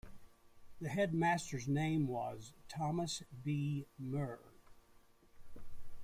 The headmaster's name was Thomas B Muir.